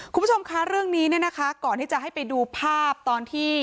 คุณผู้ชมคะเรื่องนี้เนี่ยนะคะก่อนที่จะให้ไปดูภาพตอนที่